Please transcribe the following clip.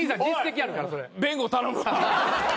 弁護頼むわ。